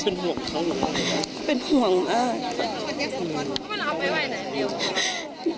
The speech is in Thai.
ทุกคนเขาก็ต้องการแบบนี้